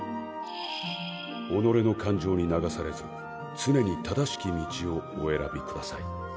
己の感情に流されず常に正しき道をおえらびください